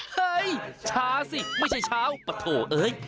เฮ้ยช้าสิไม่ใช่เช้าปะโถเอ้ย